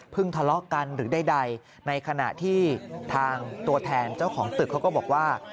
ทะเลาะกันหรือใดในขณะที่ทางตัวแทนเจ้าของตึกเขาก็บอกว่า